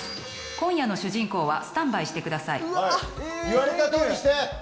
今夜の主人公はスタンバイしてください。